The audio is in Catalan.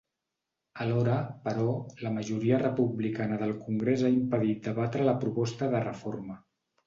Alhora, però, la majoria republicana del congrés ha impedit debatre la proposta de reforma.